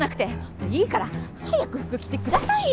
もういいから早く服着てくださいよ！